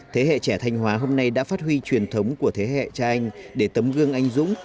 thế hệ trẻ thanh hóa hôm nay đã phát huy truyền thống của thế hệ cha anh để tấm gương anh dũng